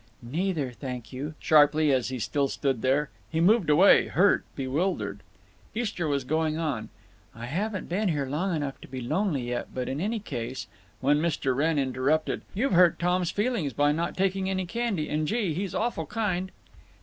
"Neither, thank you," sharply, as he still stood there. He moved away, hurt, bewildered. Istra was going on, "I haven't been here long enough to be lonely yet, but in any case—" when Mr. Wrenn interrupted: "You've hurt Tom's feelings by not taking any candy; and, gee, he's awful kind!"